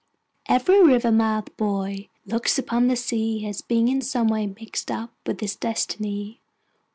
Every Rivermouth boy looks upon the sea as being in some way mixed up with his destiny.